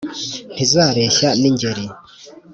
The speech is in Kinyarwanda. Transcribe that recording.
Ntizareshya n’Ingeri,